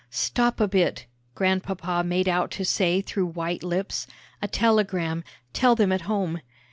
"Stop a bit," Grandpapa made out to say through white lips, "a telegram tell them at home."